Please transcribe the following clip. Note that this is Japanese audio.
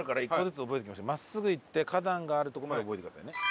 真っすぐ行って花壇があるとこまで覚えてくださいね。